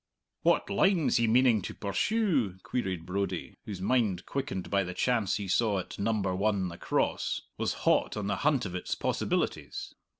"What line's he meaning to purshoo?" queried Brodie, whose mind, quickened by the chance he saw at No. 1 The Cross, was hot on the hunt of its possibilities.